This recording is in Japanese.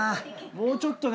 もうちょっとね。